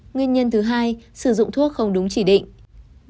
nguyên nhân thứ hai sử dụng thuốc không đúng chỉ định